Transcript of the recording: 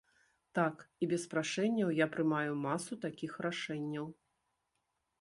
Так, і без прашэнняў я прымаю масу такіх рашэнняў.